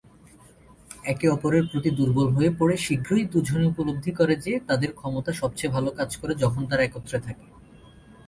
একে-অপরের প্রতি দুর্বল হয়ে পড়ে শীঘ্রই দু'জনে উপলব্ধি করে যে তাদের ক্ষমতা সবচেয়ে ভালো কাজ করে যখন তারা একত্রে থাকে।